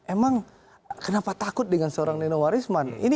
emang kenapa takut dengan seorang nino warisman